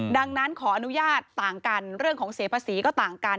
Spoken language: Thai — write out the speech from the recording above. ดังนั้นขออนุญาตต่างกันเรื่องของเสียภาษีก็ต่างกัน